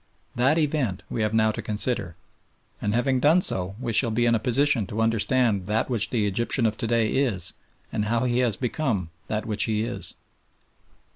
That event we have now to consider, and having done so we shall be in a position to understand that which the Egyptian of to day is and how he has become that which he is.